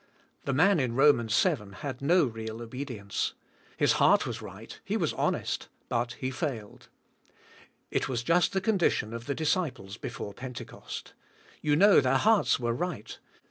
The man in Romans seven had no real obedience. His heart was right, he was honest, but he failed. It was just the condition of the disciples before Pentecost. You know their hearts were right.